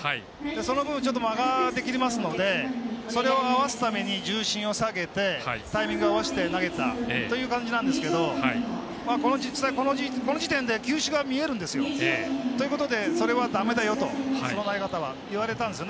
その分、間ができますのでそれを合わせるために重心を下げてタイミングを合わせて投げてたという感じなんですけどこの時点で球種が見えるんですよ。ということでそれはだめだよとその投げ方はと。言われたんですよ